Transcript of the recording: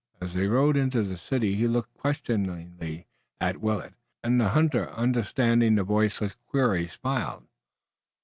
As they rode into the city he looked questioningly at Willet, and the hunter, understanding the voiceless query, smiled.